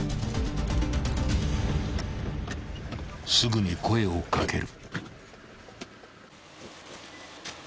［すぐに声を掛ける］